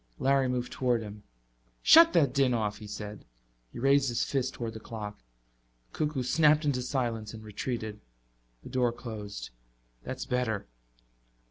Larry moved toward him. "Shut that din off," he said. He raised his fist toward the clock. The cuckoo snapped into silence and retreated. The door closed. "That's better."